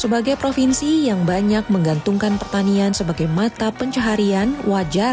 sebagai provinsi yang banyak menggantungkan pertanian sebagai mata pencaharian wajar